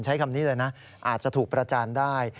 ใช้คำนี้เลยนะอาจจะถูกประจานได้